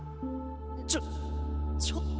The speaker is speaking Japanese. ちょっちょっと。